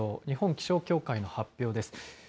日本気象協会の発表です。